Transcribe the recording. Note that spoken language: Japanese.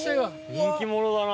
人気者だな。